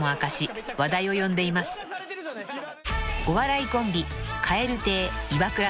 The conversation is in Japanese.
［お笑いコンビ］